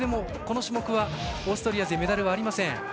この種目はオーストリア勢メダルはありません。